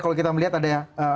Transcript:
kalau kita melihat ada ya